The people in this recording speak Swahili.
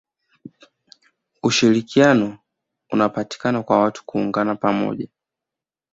ushirikiano unapatikana kwa watu kuungana pamoja